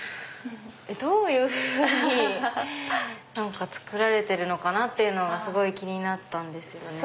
どういうふうに作られてるのかなっていうのがすごい気になったんですよね。